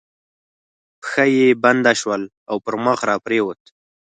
پښه یې بنده شول او پر مخ را پرېوت.